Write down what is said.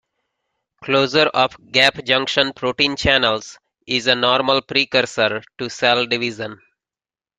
Closure of gap junction protein channels is a normal precursor to cell division.